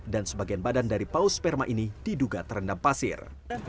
dan sebagian badan dari paus sperma ini diduga terendam pasir